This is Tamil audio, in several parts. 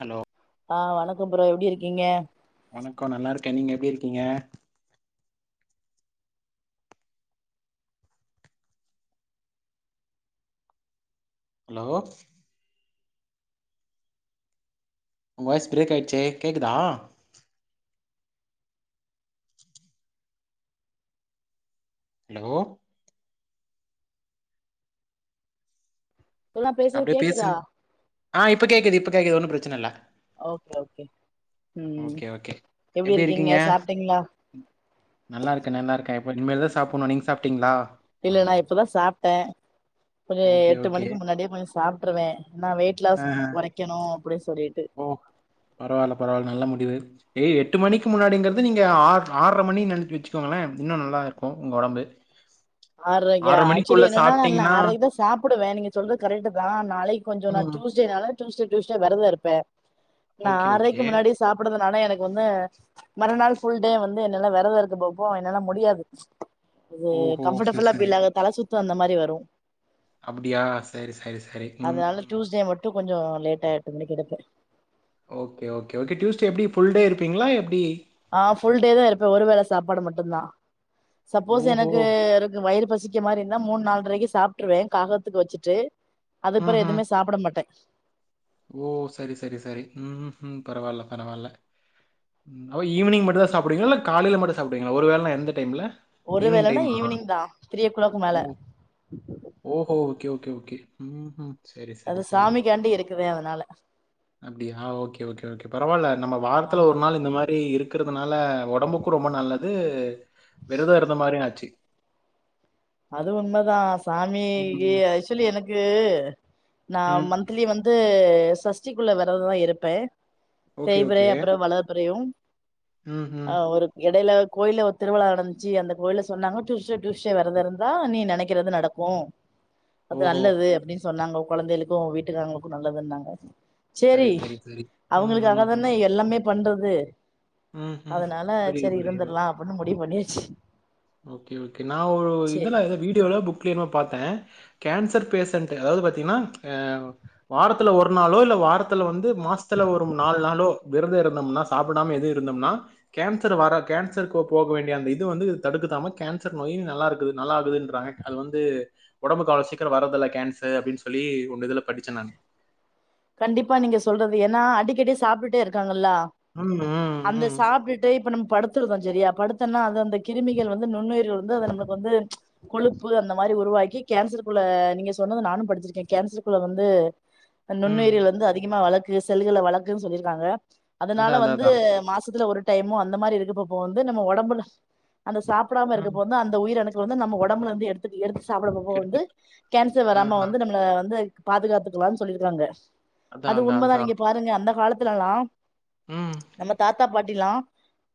ஹலோ ஆ வணக்கோ ப்ரோ எப்டி இருக்கீங்க வணக்கோ நல்லாருக்கே நீங்க எப்டி இருக்கீங்க அலோ உங்க வாய்ஸ் பிரேக் ஆயிட்ச்சே கேக்குதா [unintelligible] அலோ ப்ரோ நா பேசுறது அப்டியே கேக்குதா பேசுங் ஆ இப்ப கேக்குது இப்ப கேக்குது ஒண்ணு பிரச்சனல்ல ஓகே ஓகே ம் ஓகே ஓகே எப்டி இர்க்கீங்க சாப்ட்டீங்களா நல்லாருக்க நல்லாருக்க இப்ப இனிமேல்தா சாப்டனு நீங்க சாப்ட்டீங்களா இல்ல நா இப்பதா சாப்ட்ட ஒரு ஓகே எட்டு ஓகே மணிக்கு முன்னாடியே சாப்ட்ருவ நா வெயிட் ஆ லாஸ் ஆ கொறைக்கணும் அப்டின்னு சொல்லிட்டு ஓ பரவால்ல பரவால்ல நல்ல முடிவு ஏய் எட்டு மணிக்கு முன்னாடிங்கறது நீங்க ஆ ஆர்ர மணி நெனப்பு வச்சுக்கோங்களே இன்னு நல்லாயிருக்கு உங்க உடம்பு [inaudible] ஆற்ரைக்கா ஆக்சொலி என்னன்னா நா ஆற்ரைகிதா சாப்பிடுவே நீங்க சொல்ற கரெக்ட் தா நாளைக்கி கொஞ்சோ நா ம் ஜூஸ் கொஞ்ச நாளா டூஸ்டே டூஸ்டே வெரதெருப்பே நா ஓகே ஆரைக்கி ஓகே முன்னாடி சாப்பிடுதனால எனக்கு ஒன்னு மறுநாள் ஃபுல் டே வந்து என்னால வெரத இருக்க பாப்போ என்னால முடியாது இது ஓஹோ செரி கம்ஃபர்டபுளா செரி ஃபீல் ஆகத் தல சுத்து வந்த மாரி வரு அப்டியா செரி செரி செரி ம் அதனால ம் டூஸ்டே மட்டு கொஞ்சோ லேட்டா எட்டு மணிக்கு எடுப்பே ஓகே ஓகே ஓகே டியூஸ்டே எப்டி புல் டே இருப்பீங்ளா எப்டி ஆ ஃபுல் டே தா இருப்பே ஒருவேளை சாப்பாடு மட்டு தா சப்போஸ் ஓஹோ! எனக்கு எனக் வயிறு பசிக் க்கு மாரி இருந்தா மூண் நால்ட்ரைக்கி சாப்பிட்டுருவே காகத்துக்கு வச்சிட்டு அதுப்பறோ ம்ஹ்ம். எதுவுமே சாப்ட மாட்டே ஓ சரி சரி சரி ம் ம் பரவால்ல பரவால்ல ஓ ஈவினிங் மட்டுந்தா சாப்டுவிங்களா இல்ல காலைல மட்டு சாப்டுவிங்களா ஒரு வேலைனா எந்த டைம்ல ஒரு ஈவினிங் வேளனா டைமா? ஈவினிங் தா த்ரீ ஓ கிளாக் மேல ஓஹோ ஓகே ஓகே ஓகே ம் ம் அது சாமி காண்டி இருக்குவே அதனால அப்டியா ஓகே ஓகே ஓகே பரவால நம்ம வாரத்துல ஆமா ஒரு நாள் இந்த மாரி இருக் க்கிறதுனால ஒடம்புக்கு ரொம்ப நல்லது விரத இருந்த மாரியு ஆச்சு அது உண்மதா சாமிகி ம், ஆக்சுவலி எனக்கு நா ம். மந்த்லி வந்து சஷ்டிக்குள்ள வெரதோ இருப்பே ஓகே, தேய்பிறை ஓகே. அப்றோ வளர்ப்பிறையு ம்ஹ்ம். ஆ ஒரு எடைல கோயில்ல ஒரு திருவிழா நடந்ச்சு அந்த கோயில்ல சொன்னாங்க டூஸ்டே டூஸ்டே வெரத இருந் தா நீ நெனைக்கிறது நடக்கு அது ஓஹோ! நல்லது அப்டின் சொன்னாங்க கொழந்தைகளுக்கு ஓ வீட்டுக்காரங்களுக்கு நல்லதுன்னாங்க சரி, ச்சேரி சரி, சரி. ம், அவங்களுக்காக ம், ம். தானே எல்லாமே பண்றது ம்ஹ்ம். அதனால புரியுது, சேரி புரியுது. இருந்துரலா அப்டின்னு முடிவு பண்ணியாச்சு ஓகே ஓகே நா ஒரு சேரி இதுல ஏதோ வீடியோல புக் கிலினோ பாத்தே கேன்சர் பேசன்டு அதாவது பாத்தீங்னா ஆ வாரத்துல ஒரு நாளோ இல்ல வாரத்துல வந்து மாஸ்த்துல ஒரு நால் நாளோ விரத இருந்தோம்னா சாப்படாம எது இருந்தோம்னா கேன்சர் வர கேன்சரு போ வேண்டிய அந்த இது வந்து தடுக்குதாமா கேன்சர் நோயு நல்லாருக்குது நல்லா ஆகுதுன்றாங்க அது வந்து ஒடம்புக்கு அவ்ளோ சீக்கர வர்ரதில்ல கேன்சர் அப்டின் சொல்லி ஒங்க இதுல படிச்சே நானு கண்டிப்பா நீங்க சொல்றது ஏன்னா அடிக்கடி சாப்டுட்டே இருக்காங்கல்லா ம் ம் ம், சாப்ட்டுட்டு இப்ப நம்ம படுத்துருக்கோ சரியா படுத்தோனா அது அந்த கிருமிகள் வந்து நுண்ணுயிர்க வந்து அது நமக்கு வந்து கொழுப்பு அந்த மாரி உருவாக்கி கேன்சர் குள்ள நீங்க சொன்னது நானு படிச்சிருக்கே கேன்சர் குள்ள வந்து ம். நுண்ணுயிர்கள் வந்து அதிகமா வளக்கு செல்லுகள வளக்கு சொல்லிருக்காங்க அதான், அதனால அதான், வந்து அதான். மாசத்துல ஒரு டைமு அந்த மாரி இருக்கப்ப போ வந்து நம்ம ஒடம்புல அந்த சாப்டாம இருக்க ம். போ வந்து அந் த உயிர் அணுக்கள் வந்து நம்ம ஒடம்புலந்து எடுத்துட் எடுத்து சாப்பிட போ போ வந்து எடுத்துக் கேன்சர் ஆஹ. வராம வந்து நம்மல வந்து பாதுகாத்துக்கலான் சொல்லியிருக்குறாங்க அதான், அது அதான், உண்மதா அதான். நீங்க பாருங்க அந்த காலத்துலெல்லா ம். நம்ம தாத்தா பாட்டிலா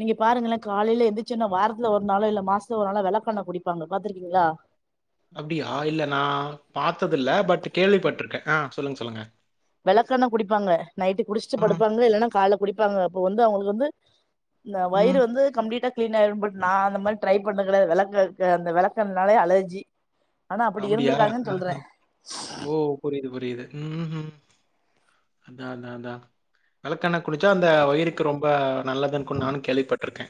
நீங்க பாருங்களே காலைல எந்துச்சொன்னே வாரத்துல ஒரு நாளோ இல்ல மாசத்துல ஒரு நாளோ வெளக்கெண்ண குடிப்பாங்க பாத்துருக்கீங்ளா அப்டியா இல்ல நா பாத்ததில்ல பட் கேள்வி பட்ருக்கே அ சொல்லுங்க சொல்லுங்க வெளக்கெண்ண குடிப்பாங்க நைட்டு குடிச்ட்டு ஆ. படுப்பாங்க இல்லென்னா கால்ல குடிப்பாங்க அப்ப வந்து அவுங்களுக்கு வந்து இந்த வயிறு ம். வந்து கம்ப்ளீட்டா கிளீன் ஆயிடும் பட் நா அந்த மாரி ட்ரை பண்ண கெடையாது வெளக் அ அந்த வெளக்கெண்ணாலே அலர்ஜி ஆனா அப்பிடி அப்டியா? இருந்திருக்காங்கன் சொல்றே புரிது புரிது ம் ஹ்ம் அதா அதா அதா வெளக்கெண்ண குடிச்சா அந்த வயிறுக்கு ரொம்ப நல்லதுன்கு நானு கேள்விப்பட்ருக்கே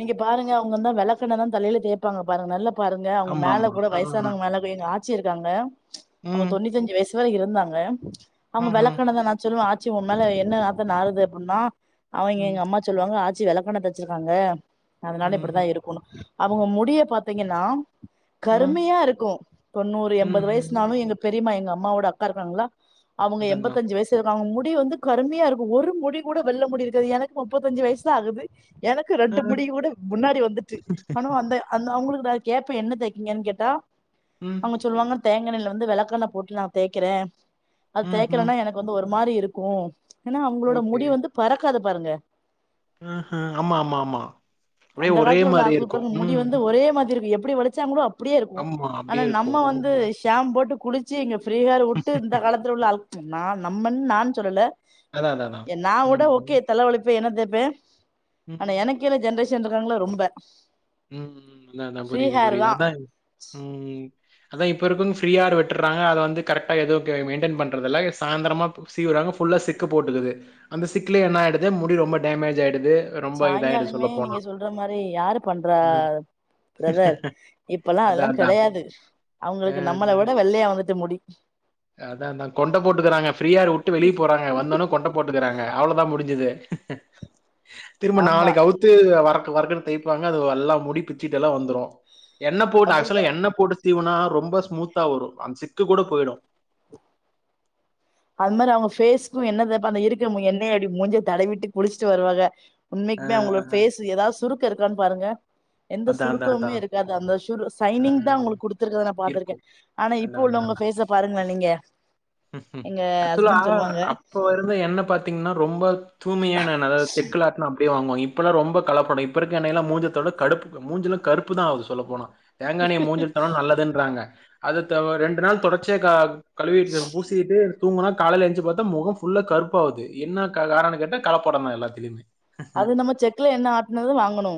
நீங்க பாருங்க அவுங்க தா வெளக்கெண்ணதா தலைல தேப்பாங்க பாருங்க நல்லப் பாருங்க அவுங்க மேல ஆமாமா. கூட ஆ. வயசானவுங்க மேல கொ எங்க ஆச்சி இருக்காங்க அவுங்க ம். தொண்ணூத்தஞ்சு வயசு வர இருந்தாங்க அவுங்க ம்ஹ்ம். வெளக்கெண்ணத நா சொல்லுவே ஆச்சி ஒம்மேல என்ன நாத்த நாறுது அப்புன்னா அவெங்க ம். எங்க அம்மா சொல்லுவாங்க ஆச்சி வெளக்கெண்ண தேச்சுருக்காங்க அதனால இப்டித்தா ம்ஹ்ம். இருக் அவுங்க முடிய பாத்தீங்கென்னா ம். கருமையா இருக்கு தொண்ணூறு எம்பது ம்ஹ்ம். வயஸ்னாலு எங்க பெரியம்மா எங்க அம்மாவோட அக்கா இருக்காங்கள அவுங்க அதான், அதான். எம்பதஞ்சு வயசு ச்சுருக்காங் அவுங்க முடி வந்து கரும்மையா இருக்கு ஒரு முடி கூட வெள்ள முடி இருக்காது எனக் முப்பத்தஞ்சு வயசுதா ஆகுது எனக்கு ரெ ஆ. ட்டு முடி கூட முன்னாடி வந்துட்டு ஆனு அந்தெ அந்த அவுங்களுக்கு தா கேப்பே என்ன தேக்கீங்கன் கேட்டா ம். அவுங்க சொல்லுவாங்க தேங்கெண்ணய்ல வந்து வெளக்கெண்ண போட்டு நா தேய்கிறே அது ம்ஹ்ம். தேய்கிறன்னா எனக் வந்து ஒரு மாரி இருக்கு ஏன்னா அவுங்களோட ஓகே. முடி வந்து பறக்காது பாருங்க அஹ ஆமா ஆமா ஆமா அப்டியே அந்த ஒரே காலத்துல உள்ள மாரியே ஆட்கள இருக்கும். பாருங்க முடி ம், வந்து ம். ஒரே மாதிரிருக் எப்புடி வழுச்சாங்களோ அப் டியே இருக்கு ஆமா. ஆனா அப்டியே நம்ம இருக்கும். ம். வந்து ம். ஸ் சாம் போட்டு குளிச்சு இங்க ஃப்ரீஹேர் உட்டு இந்த காலத்துல உள்ள அழுக் நா நம்மன் நான் சொல்லல அதான், அதான், அதான். என் நா கூட ம். ஓகே தலவழிப்பே எண்ணெ தேப்பே ஆனா ம். எனக் கீழ ஜென்ரேஷன் இருக்காங்கல்ல ரொம்ப ம் ம் அதா அதா ஃப்ரீ புரிது ஹேர் புரிது தா அதா ம் அதா இப்ப இருக்கவுங் ஃப்ரீ ஆர் விட்டுர்றாங்க அத வந்து கரெக்டா எது கே மெயின்டென் பண்றதுல்ல எ சாயந்தரமா சீவுறாங்க ஃபுல்லா சிக்கு போட்டுக்குது அந்த சிக்குலே என்ன ஆயிடுது முடி ரொம்ப டேமேஜ் ஆயிடுது ரொம்ப இதாயிடு சொல்ல போனா பண்ற மாரி யாரு பண்றா ப்ரதர் இப்பல்லா அதான், அதெல்லா அதான். கெடையாது அ அவுங்களுக்கு நம்மள விட வெள்ளையா வந்துட்டு முடி அதா அதா கொண்ட போட்டுக்குறாங்க ஃப்ரீ ஹேரு உட்டு வெளிய போறாங்க வந்தோன கொண்ட போட்டுக்குறாங்க அவ்ளோதா முடுஞ்சுது திரும்ப ஆமா நாளைக்கு அவுத்து வரக்கு வரக்குன்னு தேய்பாங்க அது எல்லா முடி பிச்சுட்டு எல்லா வந்துரு எண்ணெ போட்டு அப்டித்தா ஆக்சுவலா எண்ணெ போட்டு சீவுனா ரொம்ப ஸ்மூத்தா வரு அந் சிக்கு கூட போயிடு அது மாரி அவுங்க ஃபேஸ்க்கு எண்ணெ தேப்பாங்க இருக்க மு எண்ணெய அப்டி மூஞ்சிய தடவிட்டு குளிச்ட்டு வருவாக உண்மைக்குமே அ. அவுங்களோ ஃபேஸ்ஸு ஏதாத் சுருக்க இருக்கான்னு பாருங்க எந்த அதான் அதான் சுருக்கவுமே அதான். இருக்காது அந்த சுரு ஆ, சைனிங் தா உங்களுக் குடுத்துருக்கத நா பாத்துருக்கே இருக்கும். ஆனா இப்ப அதான் உள்ளவங்க ஃபேஸ்ஸ பாருங்க நீங்க ம் எங்க ஆக்சுலா ஹஸ்பண்ட் சொல்லுவாங்க அப்போ இருந்த எண்ணெ பாத்தீங்ன்னா ரொம்ப தூய்மையான எண்ணெ அதாத் செக்குல ஆட் எண்ணெ அப்டியே வாங்வா இப்பல்லா ரொம்ப கலப்பட இப்ப இருக்க எண்ணெயெல்லா மூஞ்சத்தொட கடுப் மூஞ்சுலா கருப்பு தா ஆகுது சொல்ல போனா தேங்காஎண்ணெய்ய மூஞ்சில தடவுனா நல்லதுன்றாங்க அது ரெண்டு நாள் தொடர்ச்சியா க கழுவி தூங்கினா காலையில எஞ்சு பாத்தா முகம் ஃபுல்லா கருப்பா ஆகுது என்ன காரணம் கேட்டா கலப்படம் தா எல்லாத்லேயயுமே அது நம்ம செக்ல எண்ண ஆட்டுனது வாங்கணு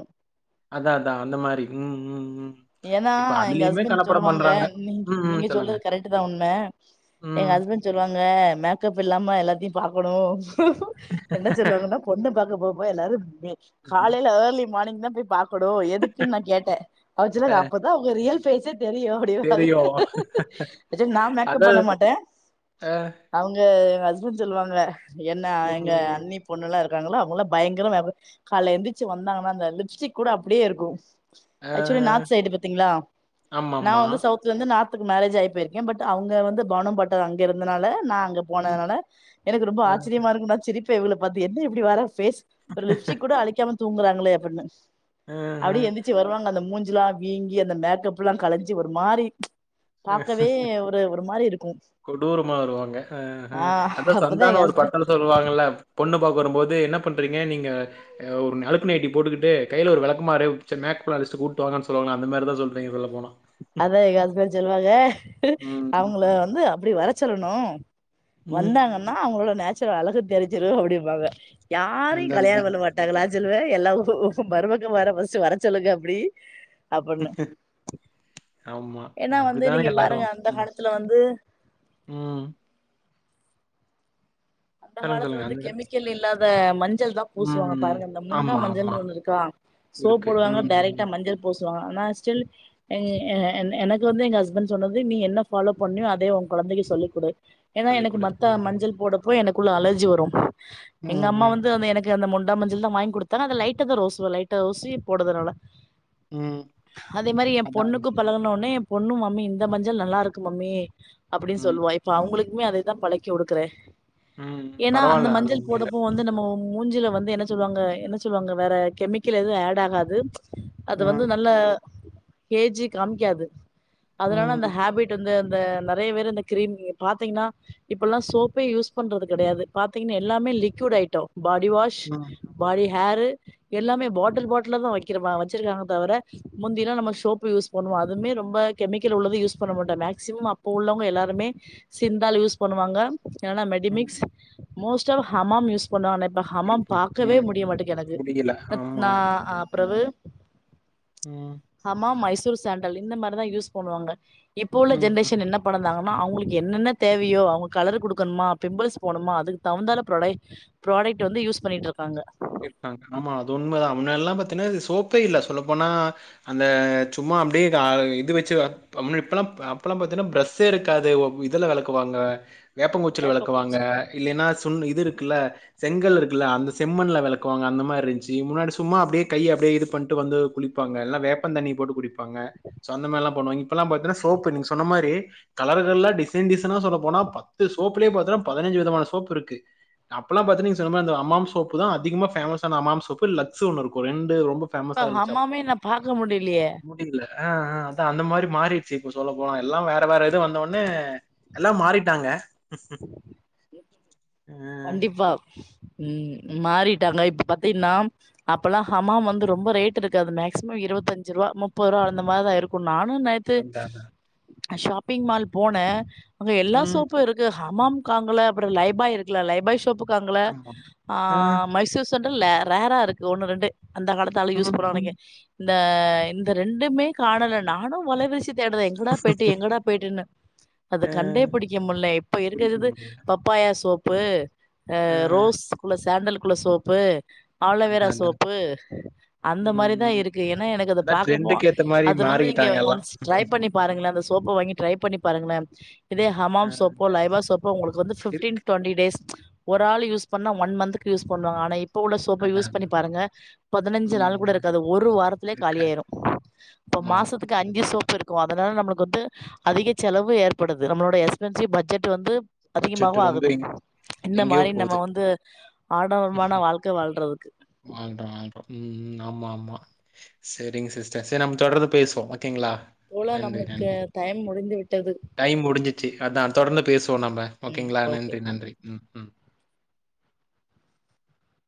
அதா அதா அந்த மாரி ம் ம் ம் ஏன்னா இப்ப எங்க அதுலயுமே ஹஸ்பண்ட் கலப்படம் சொல்லுவாங்க பண்றாங்க. நீ ம் ம் நீங்க சொல்லுங்க. சொல்றது கரெக்ட் தா உண்மை எங்க ஹஸ்பண்ட் சொல்லுவாங்க மேக்கப் இல்லாம எல்லாத்தையு பாக்கணு என்ன சொல்லுவாங்கன்னா பொண்ண பாக்க போக போ எல்லாரு நீ காலையில ஏர்லி மார்னிங் தா போய் பாக்கனு எதுக்குன் நா கேட்டே அவர் சொன்னாரு ம். அப்பதா உங்க ரியல் பேஸ்ஸே தெரியு தெரியும். ஆக்சுவலி நா மேக்கப் பண்ண அதான் மாட்டே அ, அவுங்க எங்க ஹஸ்பண்ட் சொல்லுவாங்க என்ன எங்க ம், அன்னி பொண்ணுல்லா இருக்காங்களா அவங்களா பயங்கர மேகப் காலைல எழுந்திரச்சு வந்தாங்கன்னா அந்த லிப்ஸ்டிக் கூட அப்டியே இருக்கு ஆஹ, ஆக்சுவலி நார்த் சைடு பாத்தீங்களா நான் ஆமாமா. வந்து சவுத் வந்து நார்த்துக்கு மேரேஜ் ஆயி போயிருக்கே பட் அவங்க வந்து பாணுபட்டர் அங்க இருந்தனால நா அங்க ம், போனதுனால எனக்கு ரொம்ப அ, ஆச்சரியமா இருக்கும் நா சிரிப்பே இவகள பார்த்த என்ன எப்படி வர ஃபேஸ் ஒரு லிப்ஸ்டி் கூட அழிக்காம தூங்குறாங்களே அப்டின்னு ஆஹ, அப்டியே எந்திரிச்சி வருவாங்க அந்த மூஞ்சுலா வீங்கி அந்த மேக்கப் எல்லா கலைஞ்சி ஒரு மாரி அ, பாக்கவே ஒரு ஒரு மாரி இருக்கு கொடூரமா வருவாங்க அ அ ஆ அதா அப்பதா எங்க சந்தானம் ஒரு ஹஸ்பண்ட் படத்துல சொல்லுவாங்கல்ல பொண்ணு பாக்க வரும்போது என்ன பண்றீங்க நீங்க ஒரு அலுக்கு நைட்டி போட்டுக்கிட்டு கைல ஒரு விளக்கமாரு மேக்கப் ஆர்டிஸ்ட் கூட்டுவாங்க சொல்லுவாங்க அந்தமாரி தா சொல்லிட்டு [unintelligible] அதா எங்க ஹஸ்பண்ட் சொல்லுவாங்க ம். அவங்கள வந்து அப்டி வர சொல்லணு ம், ம். வந்தாங்கன்னா அவங்களோட நேச்சுரல் அழகு தெருஞ்சுறு அப்டிபாங்க யாரையு அதான், கல்யாண அதான். பண்ணமாட் அதுக்கு நா சொல்லுவே எல்லா மருக்கமார வர சொல்லுங்க அப்படி அப்படின்னு ஆமா வந்து அப்படித்தா நீங்க எல்லாரு பாருங்க அந்த காலத்துல வந்து ம் அந்த சொல்லுங்க, காலத்துல சொல்லுங்க. வந்து அந்த கெமிக்கல் இல்லாத மண் மஞ்சள்தா பூசுவாங்க ம். பாருங்க இந்த முண்டா ஆமா, மஞ்சள் ஆமா. ஒன்னு இருக்கு சோப்பு இருக்கு. போடுவாங்க ம், ம். டைரெக்டா மஞ்சள் பூசுவாங்க ஆனா ஸ்டில் எனக்கு வந்து எங்க ஹஸ்பண்ட் சொன்னது நீ என்ன ஃபாலோ பண்ணியோ அதே ஒ கொழந்தைக்கு சொல்லிக் குடு ஏன்னா சொல்லிக் எனக்கு குடு. மத்த ம். மஞ்சள் போடப்போ எனக்குள்ள அலர்ஜி வரு எங்க ம், அம்மா ம், வந்து அந்த எனக்கு அந்த முண்டா மஞ்சள் தா வாங்கி குடுத்தாங்க லைட்ட தா ரோசு லைட்ட ரோசி போடுதுனால ம். அதே மாதிரி எ அதான், அதான். பொண்ணுக்கு பழகன ஒன்னே எ பொண்ணு மம்மி இந்த மஞ்சள் நல்லா இருக்கு மம்மி அப்டின்னு ம், சொல்லுவா இப்ப அவங்களுக்குமே அதைதா பழக்கி குடுக்குறே ம். ஏன்னா அந்த பரவால்ல. அது மஞ்சள் உண்மையில. போடப்போ வந்து நம்ம முஞ்சில வந்து என்ன சொல்லுவாங்க என்ன சொல்லுவாங்க வேற கெமிக்கல் எதும் ஆட் ஆகாது அது வந்து ம், நல்லா ஏஜி காமிக்காது அதனால அந்த ம், ஹேபிட் இருந்த அந்த நறைய பேர் இந்த கிரீம் பாத்தீங்கன்னா இப்பல்லா சோப்பே யூஸ் பண்றது கிடையாது பாத்தீன்னா எல்லாமே லிக்விட் ஐட்டம் பாடி வாஷ் ம் பாடி ஹேரு எல்லாமே பாட்டில் பாட்டல்ல தான் வைக்கிற வச்சிருக்காங்க தவிர முந்திலா நம்ம சோப்பு யூஸ் பண்ணுவோ அதுமே ரொம்ப கெமிக்கல் உள்ளது யூஸ் பண்ண மாட்டோ மேக்சிமம் அப்ப உள்ளவங்க எல்லாருமே சிந்தால் யூஸ் பண்ணுவாங்க இல்லன்னா ம். மெடிமிக்ஸ் மோஸ்ட்டு ஹமாம் யூஸ் இப்ப நானு இப்ப ஹமாம் இருப்பாங்க. பாக்கவே ம், முடிய ம். மாட்டக்கு எனக்கு முடியல. ஆமா, நா ஆமா. அ பிரவு ம் ஹமாம் மைசூர் சாண்டல் இந்த மாரிதா யூஸ் பண்ணுவாங்க இப்போ உள்ள ம். ஜென்ரேஷன் என்ன படந்தாங்கனா அவுங்களுக்கு என்னென்ன தேவையோ அவுங்க கலரு குடுக்கணுமா பிம்பிள்ஸ் போணுமா அதுக்கு தகுந்தால ப்ரொடை ப்ராடெக்ட் வந்து யூஸ் பண்ணிட்ருக்காங்க இருக்காங்க ஆமா அது உண்மதா முன்ன எல்லா பாத்தீனா இது சோப்பே இல்ல சொல்ல போனா அந்த சும்மா அப்டியே கா இது வச்சு வ பமுனு இப்பலா அப்பலா பாத்தீனா பிரஸ்ஸே இருக்காது இதுல வெளக்குவாங்க வேப்பங் குச்சில வெளக்குவாங்க வேப்பங்குச்சி இல்லைனா சுன் இது இருக்குல்ல செங்கல் இருக்குல்ல அந்த செம்மண்ல வெளக்குவாங்க அந்த மாரி இருந்துச்சி முன்னாடி சும்மா அப்டியே கைய அப்டியே இது பண்ட்டு வந்து குளிப்பாங்க எல்லா வேப்பந் தண்ணி போட்டு குடிப்பாங்க சோ அந்த மாரி லா பண்ணுவாய்ங்க இப்பலா பாத்தினா சோப்பு நீங்க சொன்ன மாரி கலர்கள்ள டிசைன் டிசைனா சொல்ல போனா பத்து சோப்லயே பாத்தினா பதனஞ்சு விதமான சோப் இருக்கு அப்பலா பாத்தீனா நீங்க சொன்ன மாரி இந்த ஹமாம் சோப்பு தா அதிகமா ஃபேமஸ் ஆன ஹமாம் சோப்பு லக்ஸ் ஒன்னு இருக்கு ரெண்டு ரொம்ப ஃபேமசா இப்ப இருந்துச்சு அப்ப ஹமாமே நா பாக்க முடியலையே இல்ல அ அ அதா அந்த மாரி மாறிர்ச்சி இப்ப சொல்ல போனா எல்லா வேற வேற இது வந்த ஒனே எல்லா மாறிட்டாங்க ஆஹ் கண்டிப்பா ம் மாறிட்டாங்க இப்ப பாத்தீனா அப்பல்லா ஹமாம் வந்து ரொம்ப ரேட் இருக்காது மேக்சிமம் இருவத்தஞ்சு ருவா முப்பது ருவா அந்த மாரிதா இருக்கு நானு நெற் து அதான் அதான். அ ஷாப்பிங் மால் போனே அங்க எல்லா உம் சோப்பு இருக் கு ஹமாம் காங்கல அப்ற லைபாய் இருக்குல லைபாய் ஷோப்பு காங்கல ஆமா ஆ ஆஹ் மைசூர் சேண்டல் லே ரேரா இருக்கு ஒண்ணு ரெண்டு அந்த காலத்து ஆளு யூஸ் உம் பண்ற உம் வரைக்கு இந்த இந்த ரெண்டுமே காணல நானு வல வீசி தேடுறே எங்கடா போய்ட்டு எங்கடா போய்ட்டுன்னு அது கண்டே ஆஹ் பிடிக்க முல்ல இப்ப பிடிக்க இருக்கறது முடியல பப் பாயா சோப்பு அ ஆஹ் ரோஸ் குள்ள சாண்டல் குள்ள சோப்பு ஆலோ வேரா அதான் அதான் சோப்பு அந்த உம் மாரி தா உம் இருக்கு ஏனா எனக்கு அத அதான் பாக்கு போ ட்ரெண்டுக்கு ஏத்த மாதிரி அது வந்து நீங்க மாறிக்கிட்டாங்க எல்லாம் ஒன்ஸ் ட்ரை பண்ணி பாருங்களே அந்த சோப்ப வாங்கி ட்ரை பண்ணி பாருங்களே இதே ஹமாம் ஆஹ் சோப்போ லைபா சோப்போ உங்களுக்கு வந்து ஃபிப்டீன் இருக்கு டுவெண்டி டேஸ் ஒரு ஆள் யூஸ் பண்ணா ஒன் மந்த்துக்கு யூஸ் பண்ணுவாங்க ஆனா இப் இப்ப உள்ள சோப்ப அதான் யூஸ் பண்ணி அதான் பாருங்க பதினஞ்சு உம் நாள் கூட உம். இருக்காது ஒரு வாரத்துலயே இருக்காது காலியாயிரு இப்ப ஆமா மாசத்துக்கு அஞ்சு ஆமா. சோப் இருக் கு அதனால நம்மளுக்கு வந்து அதிக செலவு ஏற்படுது நம்மளோடய எஸ்பென்சீவ் பட்ஜெட் வந்து பட்ஜெட் அதிகமாவு ஆகுது ரொம்பைங் இந்த மாரி நம்ம வந்து ஆடம்பரமான வாழ்க்க வாழ்றதுக்கு வாழ்றோ வாழ்றோ ம் ம் ஆமா ஆமா சேரிங்க சிஸ்டர் செரி நம்ம தொடர்ந்து பேசுவோ ஓகேங்ளா தோழர் நம்மளுக்கு டைம் முடிந்து விட்டது டைம் முடிஞ்சிச்சு அதா தொடர்ந்து பேசுவோ நம்ப ம் ஓகேங்ளா ஓகே நன்றி நன்றி ம் ம்